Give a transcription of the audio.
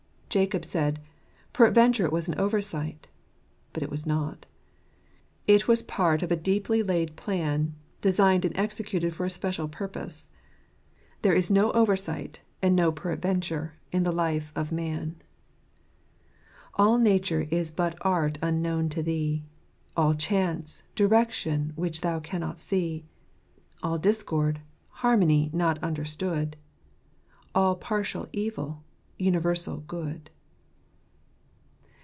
Jacob said, " Perad venture it was an oversight" : but it was not; it was part of a deeply laid plan, designed and executed for a special purpose. There is no oversight, and no per adventure, in the life of man. i 41 All nature is but art unknown to thee ;# All chance, direction which thou canst not see ; j AH discord, harmony not understood ; All partial evil, universal good."